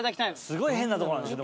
すごい変なとこなんでしょ？